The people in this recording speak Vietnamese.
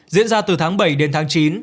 diễn ra từ tháng bảy đến tháng chín